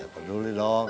ya peduli dong